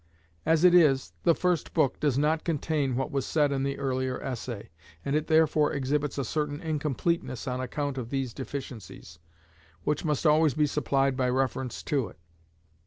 As it is, the first book does not contain what was said in the earlier essay, and it therefore exhibits a certain incompleteness on account of these deficiencies, which must always be supplied by reference to it.